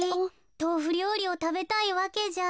とうふりょうりをたべたいわけじゃ。